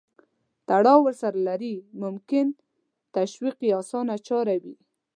تړاو ورسره لري نو ممکن تشویق یې اسانه چاره وي.